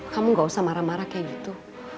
kamu gak usah marah marah kayak gitu